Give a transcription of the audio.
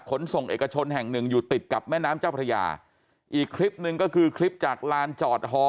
ขนส่งเอกชนแห่งหนึ่งอยู่ติดกับแม่น้ำเจ้าพระยาอีกคลิปหนึ่งก็คือคลิปจากลานจอดฮอ